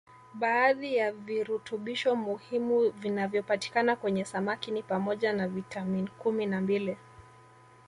Baadhi ya virutubisho muhimu vinavyopatikana kwenye samaki ni pamoja na vitamin kumi na mbili